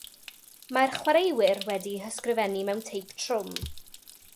Mae'r chwaraewyr wedi'u hysgrifennu mewn teip trwm.